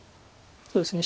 そうですね。